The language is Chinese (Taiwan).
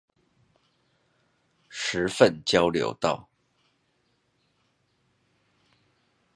十份交流道